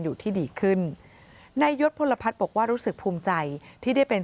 อยู่ที่ดีขึ้นนายยศพลพัฒน์บอกว่ารู้สึกภูมิใจที่ได้เป็น